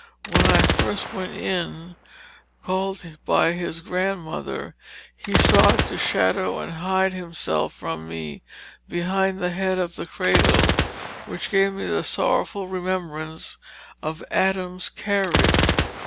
When I first went in, call'd by his Grandmother, he sought to shadow and hide himself from me behind the head of the Cradle, which gave me the sorrowful remembrance of Adam's carriage."